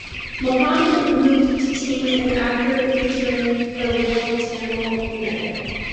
Mohammed moved to team in after featuring for Real Tamale United.